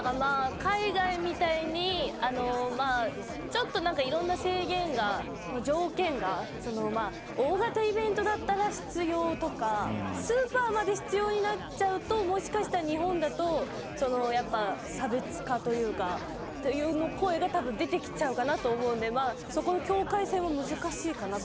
海外みたいに、いろんな制限が条件が大型イベントだったら必要とか、スーパーまで必要になっちゃうと、もしかしたら日本だと差別化というか、声が出てきちゃうかなと思うんで境界線は難しいかなと。